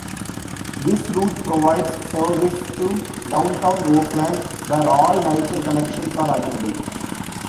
This route provides service to downtown Oakland, where All Nighter connections are available.